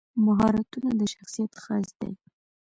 مهارتونه د شخصیت ښایست دی.